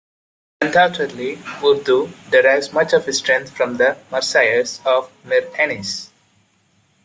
Undoubtedly, Urdu derives much of its strength from the Marsias of Mir Anis.